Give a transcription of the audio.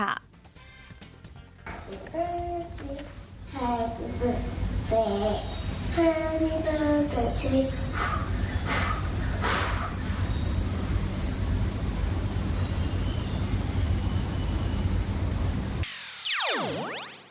โรคภาพสงสัย